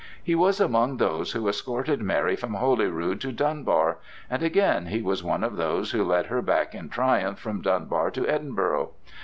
He was among those who escorted Mary from Holyrood to Dunbar, and again he was one of those who led her back in triumph from Dunbar to Edinburgh.